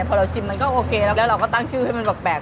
พอเราชิมมันก็โอเคแล้วเราก็ตั้งชื่อให้มันแปลก